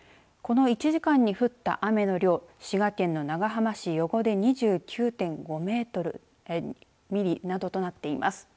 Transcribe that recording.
この１時間に降った雨の量滋賀県の長浜市余呉で２９．５ミリなどとなっています。